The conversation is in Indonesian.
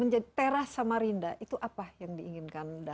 menjadi teras samarinda itu apa yang diinginkan dalam program